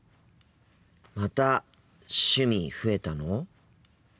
また趣味増えたの！？